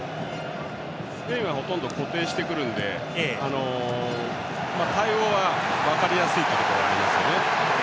スペインはほとんど固定してくるので対応は分かりやすいところあります。